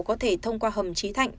có thể thông qua hầm trí thạch